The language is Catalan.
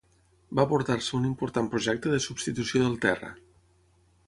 Va abordar-se un important projecte de substitució del terra.